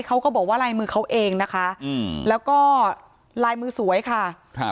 เขาก็บอกว่าลายมือเขาเองนะคะอืมแล้วก็ลายมือสวยค่ะครับ